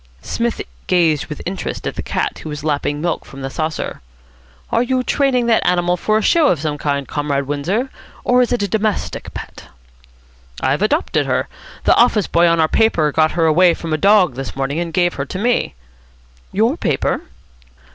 Psmith gazed with interest at the cat, which was lapping milk from the saucer. "Are you training that animal for a show of some kind, Comrade Windsor, or is it a domestic pet?" "I've adopted her. The office boy on our paper got her away from a dog this morning, and gave her to me." "Your paper?"